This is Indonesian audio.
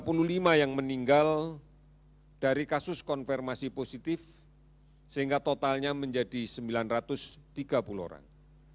ada puluh lima yang meninggal dari kasus konfirmasi positif sehingga totalnya menjadi sembilan ratus tiga puluh orang